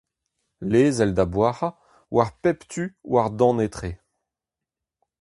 Lezel da boazhañ war bep tu war dan etre.